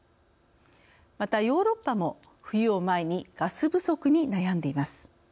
またヨーロッパも冬を前にガス不足に悩んでいます。